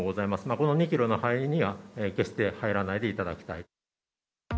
この２キロの範囲には、決して入らないでいただきたい。